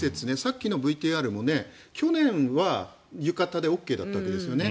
さっきのＶＴＲも去年は浴衣でＯＫだったわけですよね。